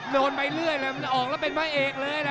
ไปเรื่อยเลยมันออกแล้วเป็นพระเอกเลยนะ